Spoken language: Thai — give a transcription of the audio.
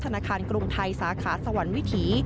ธนาคารกรุงไทยสาขาสวรรค์วิถี